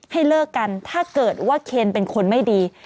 ให้เลิกกันถ้าเกิดว่าเคนเป็นคนไม่ดี